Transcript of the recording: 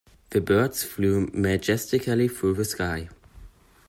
The birds flew majestically through the sky.